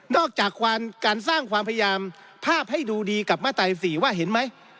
อกจากการสร้างความพยายามภาพให้ดูดีกับมาตรา๔ว่าเห็นไหม